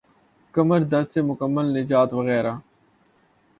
کمر درد سے مکمل نجات وغیرہ